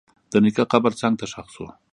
د نیکه قبر څنګ ته ښخ شو.